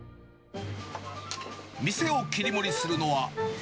店を切り盛りするのは。